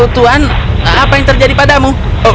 tuhan apa yang terjadi padamu